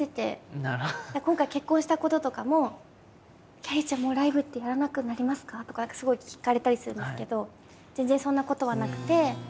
今回結婚したこととかも「きゃりーちゃんもうライブってやらなくなりますか？」とかすごい聞かれたりするんですけど全然そんなことはなくて。